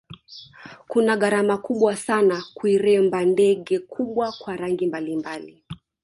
Kuna gharama kubwa sana kuiremba ndege kubwa kwa rangi mbalimbali